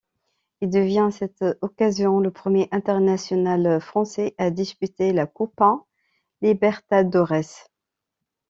Il devient à cette occasion le premier international français à disputer la Copa Libertadores.